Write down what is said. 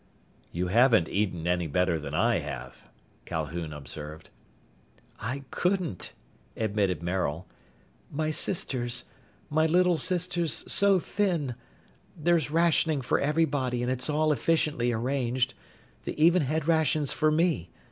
"You haven't eaten any better than I have," Calhoun observed. "I couldn't!" admitted Maril. "My sisters, my little sisters so thin.... There's rationing for everybody and it's all efficiently arranged. They even had rations for me.